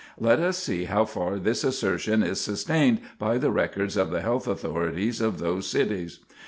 Let us see how far this assertion is sustained by the records of the health authorities of those cities.